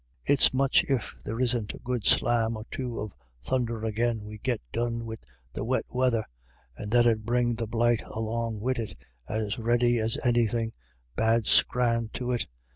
It's much if there isn't a good slam or two of thundher agin we git done wid the wet weather, and that 'ud bring the blight along wid it as ready as anythin' — bad scran to it.